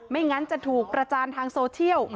งั้นจะถูกประจานทางโซเชียล